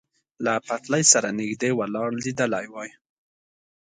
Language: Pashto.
له پټلۍ سره نږدې ولاړ لیدلی وای.